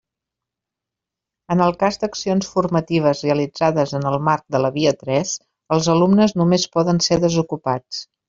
En el cas d'accions formatives realitzades en el marc de la Via tres, els alumnes només poden ser desocupats.